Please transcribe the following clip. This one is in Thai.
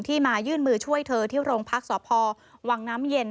มายื่นมือช่วยเธอที่โรงพักษพวังน้ำเย็น